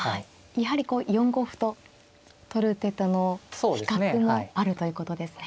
やはりこう４五歩と取る手との比較もあるということですね。